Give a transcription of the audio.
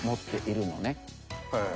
へえ。